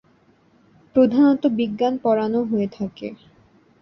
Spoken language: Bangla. প্রধাণত বিজ্ঞান পড়ানো হয়ে থাকে।